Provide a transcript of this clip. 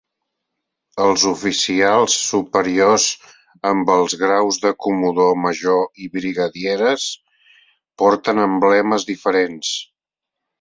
Els oficials superiors amb els graus de comodor major i brigadieres porten emblemes diferents.